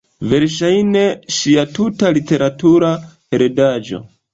Verŝajne, ŝia tuta literatura heredaĵo.